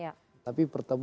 tapi kakaknya belum bertemu